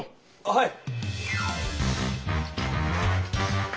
はい。